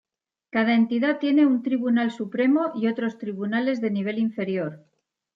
Cada entidad tiene un Tribunal Supremo y otros tribunales de nivel inferior.